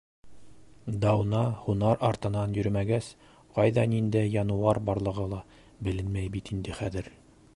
Дауна һунар артынан йөрөмәгәс, ҡайҙа ниндәй януар барлығы ла беленмәй бит инде хәҙер.